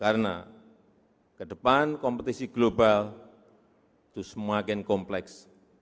karena ke depan kompetisi global itu semakin kompleks